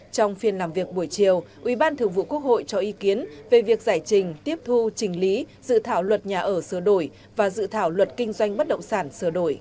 trong phiên làm việc buổi chiều ủy ban thường vụ quốc hội cho ý kiến về việc giải trình tiếp thu trình lý dự thảo luật nhà ở sửa đổi và dự thảo luật kinh doanh bất động sản sửa đổi